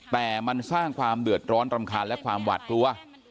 แต่มันสร้างความเดือดร้อนรำคาญและความหวาดกลัว